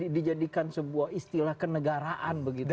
dijadikan sebuah istilah kenegaraan begitu